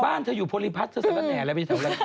บ้านเธออยู่โพรีพรรดิ์สักแหน่แล้วไปแถวแหล่งสุด